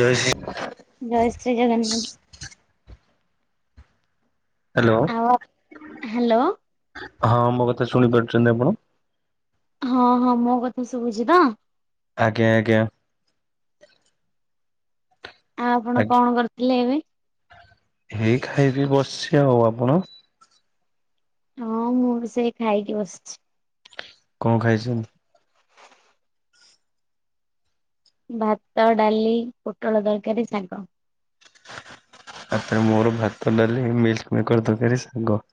ଜୟ ସି ଜୟ ଶ୍ରୀ ଜଗନାଥ। ହାଲୋ ଆଉ ହ୍ୟାଲୋ ହଁ ମୋ କଥା ଶୁଣିପାରୁଛନ୍ତି ଆପଣ? ହଁ ହଁ ମୋ କଥା ଶୁଭୁଛି ତ? ଆଜ୍ଞା ଆଜ୍ଞା। ଆଉ ଆପଣ ଆଜ୍ଞା କଣ କରିୁଥିଲେ ଏବେ? ହେଇ ଖାଇବି ବସିଛି, ଆଉ ଆପଣ? ହଁ ମୁଁ ବି ସେ ଖାଇକି, ବସିଛି। କଣ ଖାଇଛନ୍ତି? ଭାତ, ଡାଲି, ପୋଟଳ ତରକାରୀ ଶାଗ। ତାପରେ ମୋର ଭାତ, ଡାଲି, ମିଲ୍କ ମେକର ତରକାରୀ ଶାଗ।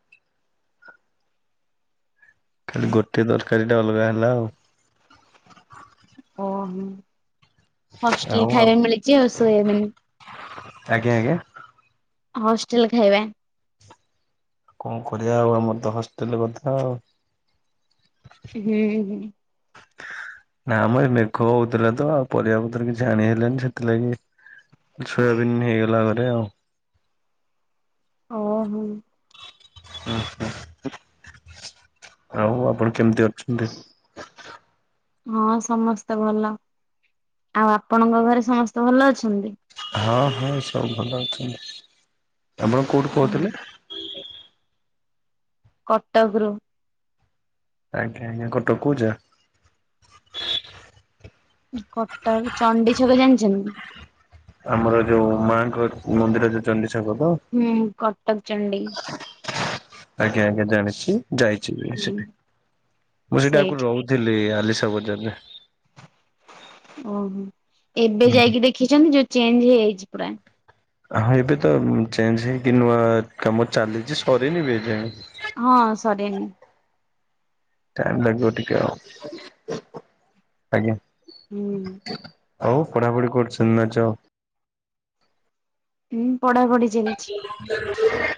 ଖାଲି ଗୋଟେ ତରକାରୀ ଟା ଅଲଗା ହେଲା ଆଉ। ଓ ହୋ। ହଷ୍ଟେଲ ଆଉ ଖାଇବା ମିଳିଛି ଆଉ ସୋଇଆବିନ। ଆଜ୍ଞା ଆଜ୍ଞା। ହଷ୍ଟେଲ ଖାଇବା। କଣ କରିବା ଆଉ ଆମର ତ ହଷ୍ଟେଲ କଥା ଆଉ। ହୁଁ ହୁଁ। [inaudible] ନା ମ ଏ ମେଘ ହଉଥିଲା ତ ଆଉ ପରିବା ପତ୍ର କିଛି ଆଣି ହେଲାନି ସେଥିଲାଗି ସୋୟାବିନ୍ ହେଇଗଲା ଘରେ ଆଉ। ଓହୋ। ହୁଁ ହୁଁ। ଆଉ ଆପଣ କେମିତି ଅଛନ୍ତି? ହଁ ସମସ୍ତେ ଭଲ। ଆଉ ଆପଣଙ୍କ ଘରେ ସମସ୍ତେ ଭଲ ଅଛନ୍ତି? ହଁ ହଁ ସବୁ ଭଲ ଅଛନ୍ତି। ଆପଣ କୋଉଠି ହୁଁ କହୁଥିଲେ? କଟକରୁୁ। ଆଜ୍ଞା ଆଜ୍ଞା କଟକ କୋଉ ଜାଗା? କଟକ ଚଣ୍ଡିଛକ ଜାଣିଛନ୍ତି। ଆମର ଯୋଉ ମାଙ୍କ ମନ୍ଦିର ଯୋଉ ଚଣ୍ଡିଛକ ତ। ହୁଁ କଟକ ଚଣ୍ଡୀ। ଆଜ୍ଞା ଆଜ୍ଞା ଜାଣିଛି ଯାଇଛି ବି ହୁଁ ସେଠି। ମୁଁ ସେଇଠି ଆଗରୁ ରହୁ ଥିଲି ଆଲିସା ବଜାର ରେ। ଓହୋ ଏବେ ଯାଇକି ଦେଖିଛନ୍ତି ଯୋଉ ଚେଞ୍ଜ ହେଇଯାଇଛି ପୁରା। ହଁ ଏବେ ତ ଚେଞ୍ଜ ହେଇକି ନୂଆ କାମ ଚାଲିଛି ସରିନି ବି ଏଯାଏଁ। ହଁ ସରେନି। ଟାଇମ ଲାଗିବ ଟିକେ ଆଉ ଆଜ୍ଞା। ହୁଁ ଆଉ ପଢାପଢି କରୁଛନ୍ତି ନା ଜବ। ହୁଁ ପଢା ପଢି ଚାଲିଛି। [inaudible]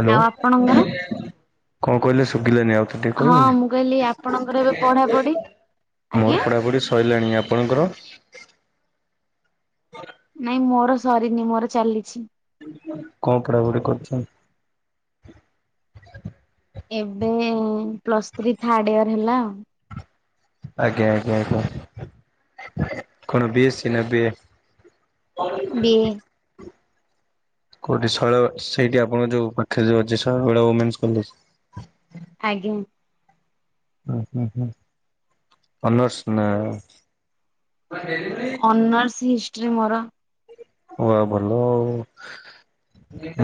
ହ୍ୟାଲୋ ଆଉ ଆପଣଙ୍କର? କଣ କହିଲେ ଶୁଭିଲାନି? ଆଉଥରେ ଟିକେ ହଁ ମୁଁ କହିଲି ଆପଣଙ୍କର ଏବେ କହିବି। ପଢାପଢି ଆଜ୍ଞା ମୋର ପଢାପଢି ସ୍ ସଇଲାଣି ଆପଣଙ୍କର। ନାଇଁ ମୋର ସରିନି ମୋର ଚାଲିଛି। କଣ ପଢାପଢି କରୁଛନ୍ତି? ଏବେ ପ୍ଲସ୍ ଥ୍ରୀ ଥାର୍ଡ ଇୟର ହେଲା ଆଉ। ଆଜ୍ଞା ଆଜ୍ଞା ଆଞା। କଣ ବିଏସି ନା ବି ଏ? [inaudible] ବି ଏ କୋଉଠି ଶୈଳ ସେଇଠି ଆପଣଙ୍କ ଯୋଉ ପାଖରେ ଯୋଉ ଅଛି ଶୈଳବାଳା ଓମେନ୍ସ କଲେଜ। ଆଜ୍ଞା। ଉଁ ହୁଁ ହୁଁ ଅନର୍ସ ନା ଅନର୍ସ ହିଷ୍ଟ୍ରି ମୋର। ଓ ଆ ଭଲ ଆଉ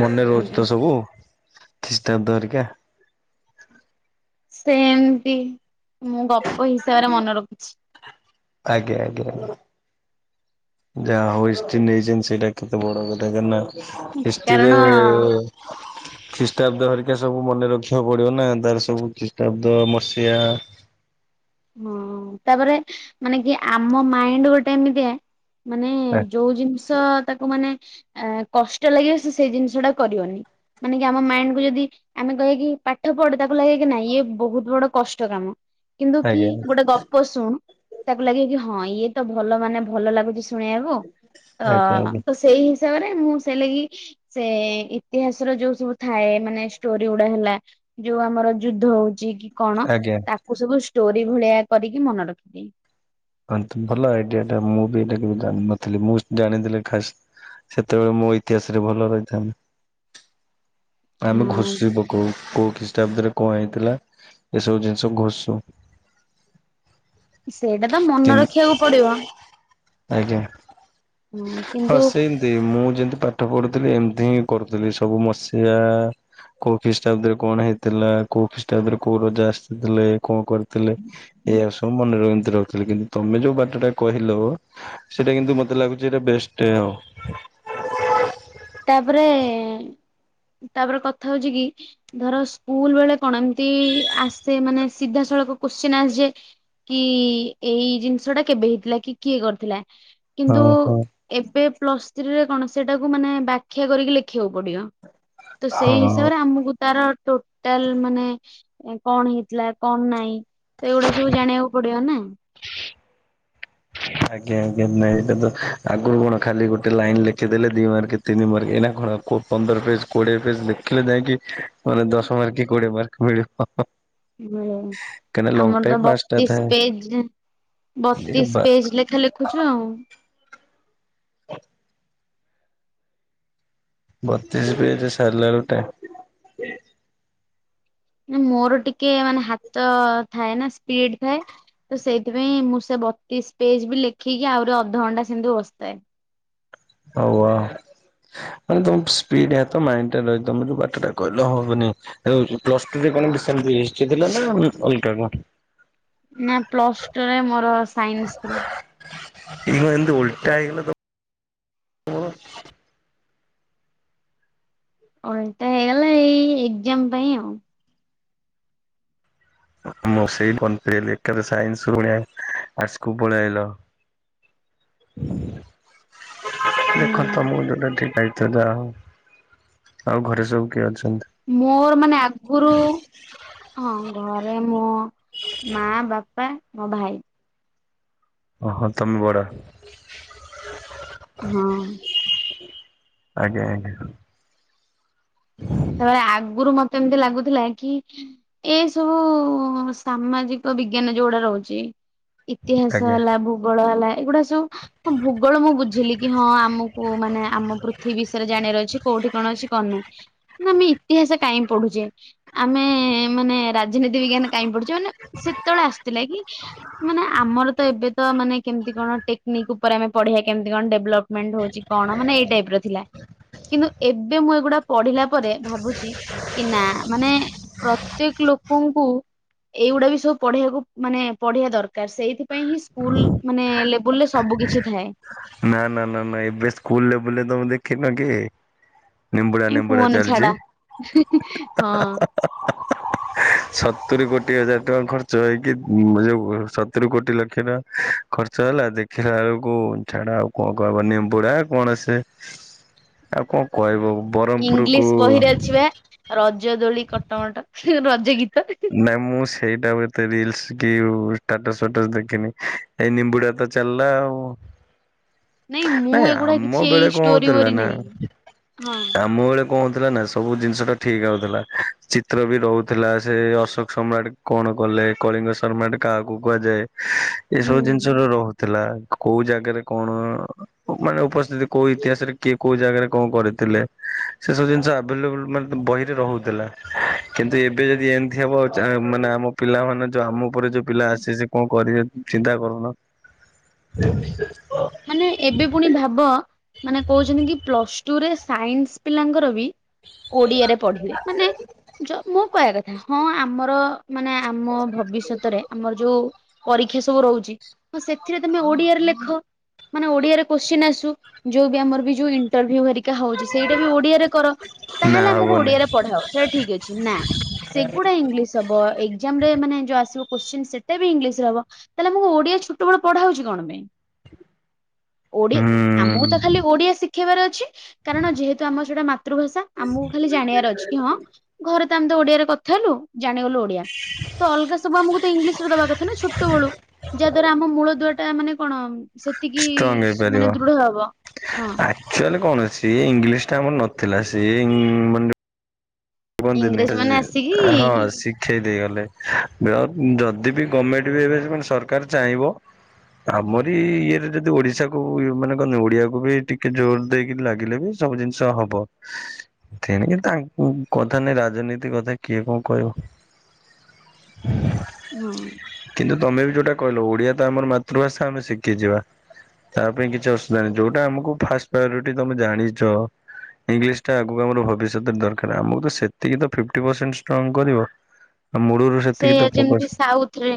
ମନେ ରହୁଛି ଆଜ୍ଞା ତ ସବୁ। ଖ୍ରୀଷ୍ଟାବ୍ଦ ହେରିକା। ସେମତି ମୁଁ ଗପ ହିସାବରେ ମନେ ରଖୁଛି। ଆଜ୍ଞା ଆଜ୍ଞା। ଯାହା ହଉ ହିଷ୍ଟ୍ରି ନେଇଛନ୍ତି ସେଇଟା କେତେ ବଡ କଥା କାହିଁକି ନା ହିଷ୍ଟ୍ରିରେ। କାରଣ [inaudible] ଖ୍ରୀଷ୍ଟାବ୍ଦ ହେରିକା ସବୁ ମନେ ରଖିବାକୁ ପଡିବ ନା ତାର ସବୁ ଖ୍ରୀଷ୍ଟାବ୍ଦ ମସିହା ହଁ ତାପରେ ମାନେ କି ଆମ ମାଇଣ୍ଡ ଗୋଟେ ଏମିତିଆ ମାନେ ଯୋଉ ଜିନିଷ ତାକୁ ମାନେ କଷ୍ଟ ଲାଗିବ ସେ ସେଇ ଜିନିଷ ଟା କରିବନି। ମାନେ କି ଆମ ମାଇଣ୍ଡ କୁ ଯଦି ଆମେ କହିବାକି ପାଠ ପଢ ତାକୁ ଲାଗେ କି ନାଇଁ ଇଏ ବହୁତୁ ବଡ କଷ୍ଟ କାମ କିନ୍ତୁ ଆଜ୍ଞା କି ଆଜ୍ଞା ଗୋଟେ ଗପ ଶୁଣୁ ତାକୁ ଲାଗିବ କି ହଁ ଇଏ ତ ଭଲ ମାନେ ଭଲ ଲାଗୁଛି। ଶୁଣିବାକୁ ଆଜ୍ଞା ତ ତ ସେଇ ହିସାବରେ ମୁଁ ସେଇ ଲାଗି ସେ ଇତିହାସର ଯୋଉ ସବୁ ଥାଏ ମାନେ ଷ୍ଟୋରି ଗୁଡା ହେଲା ଯୋଉ ଆମର ଯୁଦ୍ଧ ହଉଚି କି କଣ ଆଜ୍ଞା। ତାକୁ ସବୁ ଷ୍ଟୋରି ଭଳିଆ କରିକି ମନେ ରଖିଦିଏ। ହଁ ତ ଭଲ ଆଇଡିଆ ଟା ମୁଁ ବି ଏଇଟାକୁ ଜାଣିନଥିଲି ମୁଁ ଜାଣିିଦେଲି ଖାସ ସେତେବେଳେ ମୋର ଇତିହାସରେ ଭଲ ରହିଥାନ୍ତା ଆମେ ହଁ ଘୋଷି କୋଉ କୋଉ ଖ୍ରୀଷ୍ଟାବ୍ଦରେ କଣ ହେଇଥିଲା ଏସବୁ ଜିନିଷ ଘୋଷୁ। ସେଇଟା ତ ମନେ କିନ୍ ରଖିବାକୁ ପଡିବ। ଆଜ୍ଞା। ହଁ ସେଇମିତି। ମୁଁ ଯେମିତି ପାଠ ପଢୁଥିଲି ଏମିତି ହିଁ କରୁଥିଲି ସବୁ ମସିଆ କୋଉ ଖ୍ରୀଷ୍ଟାବ୍ଦରେ କଣ ହେଇଥିଲା କୋଉ ଖ୍ରୀଷ୍ଟାଦ୍ଦରେ କୋଉ ରଜା ଆସିଥିଲେ କଣ କରି ଥିଲେ ଏଇଆ ସବୁ ମନେ ଏମିତି ରଖ କିନ୍ତୁ ତମେ ଯୋଉ ବାଟ ଟା କହିଲ ସେଇଟା କିନ୍ତୁ ମତେ ଲାଗୁଛି ଏଇଟା ବେଷ୍ଟ ହବ। ତାପରେ ତାପରେ କଥା ହଉଚି କି ଧର ସ୍କୁଲ ବେଳେ କଣ ଏମିତି ଆସେ ମାନେ ସିଧାସଳଖ କୋଶ୍ଚିନ୍ ଆସିଯାଏ। କି ଏଇ ଜିନିଷ ଟା କେବେ ହେଇଥିଲା କି କିଏ କରିଥିଲା। ହଁ କିନ୍ତୁ ହଁ। ଏବେ ପ୍ଲସ୍ ଥ୍ରୀରେ କଣ ସେଟାକୁ ମାନେ ବ୍ୟାଖ୍ୟା କରିକି ଲେଖିବାକୁ ପଡିବ। ତ ସେଇ ହଁ ହିସାବରେ ଆମକୁ ତାର ଟୋ ଟୋଟାଲେ ମାନେ କଣ ହେଇଥିଲା କଣ ନାାଇଁ ତ ଏଇଗୁଡା ସବୁ ଜାଣିବାକୁ ପଡିବ ନା। ଆଜ୍ଞା ଆଜ୍ଞା ନାଇଁ ଏଇଟା ତ ଆଗୁରୁ କଣ ଖାଲି ଗୋଟେ ଲାଇନ ଲେଖିଦେଲେ ଦି ମାର୍କ। ତିନି ମାର୍କ ଏଇନା କଣ ପନ୍ଦର ପେଜ କୋଡିଏ ପେଜ ଲେଖିଲେ ଯାଇକି ମାନେ ଦଶ ମାର୍କ କି କୋଡିଏ ମାର୍କ ମିଳିବ। ଆ ହୁଁ ମାୟ ଆମର ତ ବତିଶ ଥାଏ। ପେଜରେ ଏରେ ବତିଶ ବା ପେଜ ପି ଜି ଲେଖା ଲେଖୁଛ ଆଉ। ବତିଶ ପେଜ ସାରିଲା ବେଳେ କାଇଁ ନା ମୋର ଟିକେ ମାନେ ହାତ ଥାଏ ନା ସ୍ପିଡ ଥାଏ। ତ ସେଇଥିପାଇଁ ମୁଁ ସେ ବତିଶ ପେଜ ବି ଲେଖିକି ଆହୁରି ଅଧଘଣ୍ଟା ସେମିତି ବସିଥାଏ। ହଉ ଆଉ। ମାନେ ତମ ସ୍ପିଡ ହାତ ମାଇଣ୍ଡରେ ରୁହେ ତମେ ଯୋଉ ପାଠଟା କହିଲ ହଁ ମାନେ ହେତେବେଳେ ସବୁ ପ୍ଲସ ଟୁ ରେ କଣ ଗୋଟେ ସେମିତି ହିଷ୍ଟ୍ରି ଥିଲା ନା ଆଉ ଅଲଗା ମ ନା ପ୍ଲସ୍ ଟୁରେ ମୋର ସାଇନ୍ସ ଥିଲା। ତୁମେ ଏମତି ଉଲଟା ହେଇଗଲ ହଁ। ଅଲଟା ହେଇଗଲା ଏଇ ଏକ୍ଜାମ ପାଇଁ ଆଉ। ମୁଁ ସେଇ ବନଫିଲି ଏକାଦ ସାଇନ୍ସ ଭଳିଆ ଆର୍ଟସ୍ କୁ ପଳେଇ ଆଇଲ। ଦେଖ ହୁଁ ତମକୁ ଯୋଉଟା ଠିକ ଲାଗି ଥୀ ଯାହାହଉ ଆଉ ଘରେ ସବୁ କିଏ ଅଛନ୍ତି? ମୋର ମାନେ ଆଗୁରୁ ହଁ ଘରେ ମୋ ମା ବାପା ମୋ ଭାଇ ଓହୋ ତମେ ବଡ ହଁ। ଆଜ୍ଞା ଆଜ୍ଞା। ସେତବେଳେ ଆଗୁରୁ ମତେ ଏମତି ଲାଗୁଥିଲା କି ଏ ସବୁ ସାମାଜିକ ବିଜ୍ଞାନ ଯୋଉଗୁଡା ରହୁଚି। ଇତିହାସ ଆଜ୍ଞା। ହେଲା ଭୂଗୋଳ ହେଲା ଏଗୁଡା ସବୁ ହଁ ଭୂଗୋଳ ମୁଁ ବୁଝିଲି କି ହଁ ଆମକୁ ମାନେ ଆମ ପୃଥିବୀ ବିଷୟରେ ଜାଣିବାର ଅଛି। କୋଉଠି କଣ ଅଛି କଣ ନାହିଁ। ଆମେ ଇତିହାସ କାଇଁ ପଢୁଚେ ଆମେ ମାନେ ରାଜନୀତି ବିଜ୍ଞାନ କାଇଁ ପଢୁ ଯଉମାନେ ସେତବେଳେ ଆସିଥିଲା କି ମାନେ ଆମର ତ ଏବେ ତ ମାନେ କେମିତି କଣ ଟେକ୍ନିକ୍ ଉପରେ ଆମେ ପଢିବା କେମିତି କଣ ଡେଭଲପ୍? ମେଣ୍ଟ ହୋଉଛି ମାନେ ଏଇ ଟାଇପ୍ ଥିଲା କିନ୍ତୁ ଏବେ ମୁଁ ଏଗୁଡା ପଢ଼ିଲା ପରେ ଭାବୁଚି କି ନା ମାନେ ପ୍ରତ୍ୟେକ ଲୋକଙ୍କୁ ଏଇଗୁଡା ବି ସବୁ ପଢିବାକୁ ମାନେ ପଢିବା ଦରକାର। ସେଇଥିପାଇଁ ହିଁ ସ୍କୁଲ ମାନେ ଲେବୁଲ ରେ ସବୁ କିଛି ଥାଏ। ନା ନା ନା ନା ଏବେ ସ୍କୁଲେବଲରେ ତମେ ଦେଖିନ କି? ନିମ୍ବୁଡା ଏ ନିମ୍ବୁଡା କୁହନି ଚାଲଚି ଛାଡ ହା ହା ହଁ ହା ହା ହା ସତୁରି କୋଟି ହଜାର ଟଙ୍କା ଖର୍ଚ୍ଚ ହେଇକି ମୁଁ ଯୋଉ ସତୁରି କୋଟି ଲକ୍ଷ ଟଙ୍କା ଖର୍ଚ୍ଚ ହେଲା ଦେଖିଲା ବେଳକୁ ଛାଡା ଆଉ କଁ କଁ ବନେମ ନିମ୍ପୁଡା କଣ ସେ ଆଉ କଁ କହିବ? ବ୍ରହ୍ମପୁରକୁ ଇଂଲିଶ ବହିରେ ଅଛିିବା ରଜ ଦୋଳି କଟମଟ ରଜ ଗୀତ। ନାଇଁ ମୁଁ ସେଇଟା କୁ ଏତେ ରିଲସ କି ଷ୍ଟାଟସ୍ ଫାଟସ ଦେଖିନି ଏଇ ନିମ୍ବୁଡା ତ ଚାଲା ଆଉ। ମୁଁ ନାଇଁ ଏଗୁଡା ଆମ କିଛି ଏଇ ବେଳେ କଁ ଷ୍ଟୋରି ହଉଥିଲା ବୋରି ନା ନାହିଁ ହଁ ଆମ ବେଳେ କ ହୁଥିଲା ନା ସବୁ ଜିନିଷ ଟା ଠିକ ହଉଥିଲା। ଚିତ୍ର ବି ରହୁଥିଲା ସେ ଅଶୋକ ସମ୍ରାଟ କଣ କଲେ କଳିଙ୍ଗ ସମ୍ରାଟ କାହାକୁ କୁହାଯାଏ? ଏସବୁ ହୁଁ ଜିନିଷ ର ରହୁଥିଲା କୋଉ ଜାଗାରେ କଣ? ମାନେ ଉପସ୍ଥିତି କୋଉ ଇତିହାସରେ କିଏ କୋଉ ଜାଗାରେ କଁ କରିଥିଲେ? ସେ ସବୁ ଜିନିଷ ଆଭେଲେବୁଲ ମାନେ ବହିରେ ରହୁଥିଲା। କିନ୍ତୁ ଏବେ ଯ ଏମିତି ହବ ଚା ମାନେ ଆମ ପିଲାନେ ଯୋଉ ଆମ ଉପରେ ଯୋଉ ପିଲା ଆସେ ସେ କଁ କରିବେ? ଚିନ୍ତା କରୁନ। ମାନେ ଏବେ ପୁଣି ଭାବ ମାନେ କହୁଛନ୍ତି କି ପ୍ଲସ ଟୁ ରେ ସାଇନ୍ସ ପିଲାଙ୍କର ବି ଓଡିଆରେ ପଢିବେ ମାନେ ଜ ମୁଁ କହିବା କଥା ହଁ ଆମର ମାନେ ଆମ ଭବିଷ୍ୟତରେ ଆମର ଯୋଉ ପରୀକ୍ଷା ସବୁ ରହୁଚି ତ ସେଥିରେ ତମେ ଓଡିଆରେ ଲେଖ। ମାନେ ଓଡିଆରେ କୋଶ୍ଚିନ୍ ଆସୁ ଯୋଉ ବି ଆମର ବି ଯୋଉ ଇଣ୍ଟରୁଭିଉ ହରିକା ହଉଚି ସେଇଟା ବି ଓଡିଆରେ କର ନା ତାହେଲେ ଆମକୁ ହବନି ଓଡିଆରେ ପଢାଅ ସେଇଟା ଠିକ ଅଛି। ନା ସେଗୁଡା ଇଂଲିଶ ହବ ଏକ୍ଜାମ ରେ ମାନେ ଯୋ ଆସିବ କୋଶ୍ଚିନ ସେଟା ବି ଇଂଲିଶରେ ହବ। ତାଲେ ମୁଁ ଓଡିଆ ଛୁଟବେଳ ପଢା ହଉଛି କଣ ପାଇଁ? ଓଡିଏ ଆମକୁ ହୁଁ ତ ଖାଲି ଓଡିଆ ଶିଖେଇବାର ଅଛି କାରଣ ଯେହେତୁ ଆମ ସେଟା ମାତୃଭାଷା ଆମକୁ ଖାଲି ଜାଣିବାର ଅଛି କି ହଁ ଘରେ ତ ଆମେ ତ ଓଡିଆରେ କଥା ହେଲୁ ଜାଣିଗଲୁ ଓଡିଆ। ତ ଅଲଗା ସବୁ ଆମକୁ ତ ଇଂଲିଶରେ ଦବା କଥା ନା ଛୋଟବେଳୁ ଯାହା ଦ୍ଵାରା ଆମ ମୂଳ ଦ୍ୱା ଟା ମାନେ କଣ ସେତିକି ଷ୍ଟ୍ରଙ୍ଗ ସ ମାନେ ଦୃଢ ହବ ହଁ। ସେମାନେ କଣ ସିଏ ଇଂଲିଶ ଟା ଆମର ନଥିଲା ସିଏ ଇଂ [unintelligible] କୁହନ୍ତିନି ଇଂରେଜ ମାନେ ଆସିକି ହଁ ସି ଥେ ଦେଇଗଲେ ଯଦି ବି ଗମେଣ୍ଟ ବି ଏବେ ସରକାର ଚାହିଁବ ଆମରି ଇଏରେ ଯଦି ଓଡିଶାକୁ ଇଏ ମାନେ କହନ୍ତି ଓଡିଆକୁ ବି ଟିକେ ଜୋର ଦେଇକି ଲାଗିଲେ ବି ସବୁ ଜିନିଷ ହବ ଥେଣୀ କି ତାଙ୍କୁ କଥା ନାଇ ରାଜନୀତି କଥା କିଏ କଁ କହିବ। ହଁ। କିନ୍ତୁ ତମେ ବି ଯୋଉଟା କହିଲ ଓଡିଆ ତ ଆମର ମାତୃଭାଷା ଆମେ ଶିଖିଯିବା। ତା ପାଇଁ କିଛି ଅସୁବିଧା ନାହିଁ ଯୋଉଟା ଆମକୁ ଫାଷ୍ଟ ପ୍ରାୟୋରିଟି ତମେ ଜାଣିଚ ଇଂଲିଶ ଟା ଆଗକୁ ଆମର ଭବିଷ୍ୟତରେ ଦରକାର ଆମ ସେତିକି ତ ଫିପଟି ପରସେଣ୍ଟ କରିବ। ଆ ମୁଳୁରୁ ସେଇଆ ଯେମିତି ସାଉଥ ରେ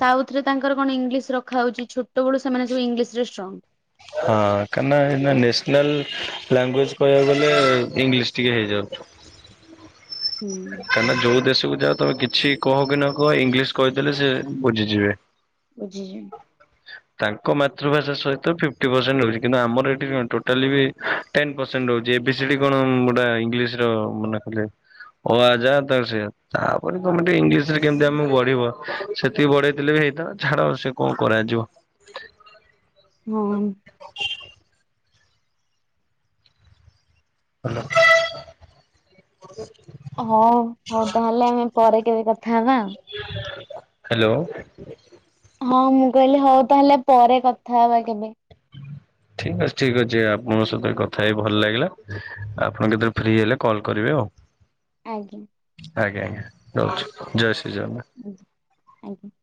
ସାଉଥ ରେ ତାଙ୍କର କଣ ଇଂଲିଶ ରଖାହଉଛି ଛୋଟବେଳୁ ସେମାନେ ସବୁ ଇଂଲିଶ ରେ ଷ୍ଟ୍ରଙ୍ଗ୍। ହଁ କାନା ଏନା ନ୍ୟାସନାଲ ଲାଙ୍ଗୁଏଜ କହିବାକୁ ଗଲେ ଇଂଲିଶ ଟିକେ ହେଇଯାଉଚ୍। ହୁଁ କାନା ଯୋଉ ଦେଶକୁ ଯାଅ ତମେ କିଛି କହ କି ନ କୁହ ଇଂଲିଶ କହିଦେଲେ ସେ ବୁଝିଯିବେ। ବୁଝିଯିମ ତାଙ୍କ ମାତୃଭାଷା ସହିତ ଫିଫ୍ଟୀ ପ୍ରସେଣ୍ଟ୍ ରହୁଛି କିନ୍ତୁ ଆମର ଏଠି କଣ ଟୋଟାଲ୍ ବି ଟେନ୍ ପ୍ରସେଣ୍ଟ୍ ରହୁଛି ଏ ବି ସି ଡ଼ି କଣ ଗୋଟ ଇଂଲିଶ୍ ର ମନା କଲେ। ଅ ଆ ଯାହା ତାର ସେଇଆ ତାପରେ ତମେ ଟିକେ ଇଂଲିଶ୍ ରେ କେମିତି ଆମକୁ ବଢ଼ିବ ସେତିକି ବଢେ଼ଇଥିଲେ ବି ହେଇଥାଆନ୍ତା। ଛାଡ଼ ସେ କଣ କରାଯିବ। ହଁ। [inaudible] ହଁ ହଉ ତାହେଲେ ଆମେ ପରେ କେବେ କଥା ହେବା। ହ୍ୟାଲୋ। ହଁ ମୁଁ କହିଲି ହଉ ତାହେଲେ ପରେ କଥା ହବା କେବେ। ଠିକ୍ ଅଛି ଠିକ୍ ଅଛି ଆପଣଙ୍କ ସହିତ କଥା ହେଇ ଭଲ ଲାଗିଲା ଆପଣ କେତେବେଳେ ଫ୍ରି ହେଲେ କଲ୍ କରିବେ ଆଉ। [inaudible] ଆଜ୍ଞା। ଆଜ୍ଞା ଆଜ୍ଞା ରହୁଛି ଜୟ ଶ୍ରୀ ରାମ। ହୁଁ ଆଜ୍ଞା।